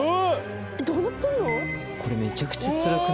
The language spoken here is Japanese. どうなってんの？